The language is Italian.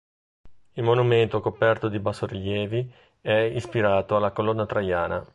Il monumento, coperto di bassorilievi, è ispirato alla Colonna Traiana.